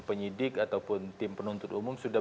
penyidik ataupun tim penuntut umum sudah